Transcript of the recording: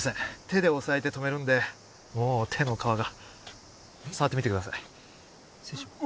手で押さえて止めるんでもう手の皮が触ってみてください失礼します